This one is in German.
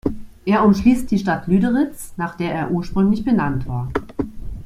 Er umschließt die Stadt Lüderitz, nach der er ursprünglich benannt war.